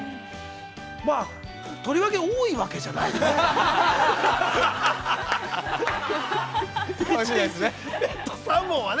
◆まあとりわけ多いわけじゃないよね？